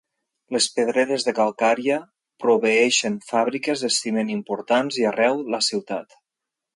Les pedreres de calcària proveeixen fàbriques de ciment importants i arreu la ciutat.